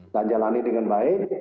dan jalani dengan baik